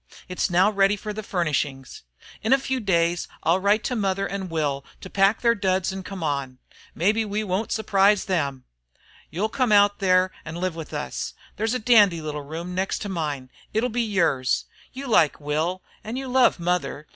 It's now ready for the furnishings. In a few days I'll write to mother and Will to pack their duds and come on. Maybe we won't surprise them! You 'll come out there to live with us. There's a dandy little room next to mine and it 'll be yours. You'll like Will, and you'll love mother.